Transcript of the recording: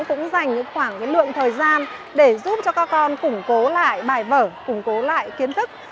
cũng dành những khoảng lượng thời gian để giúp cho các con củng cố lại bài vở củng cố lại kiến thức